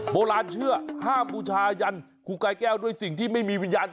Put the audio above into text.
โบราณเชื่อห้ามบูชายันครูกายแก้วด้วยสิ่งที่ไม่มีวิญญาณ